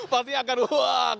pasti akan seru ya pak